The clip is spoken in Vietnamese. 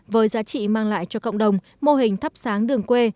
với giá trị mang lại cho cộng đồng mô hình thắp sáng đường quê